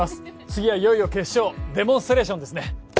次はいよいよ決勝デモンストレーションですね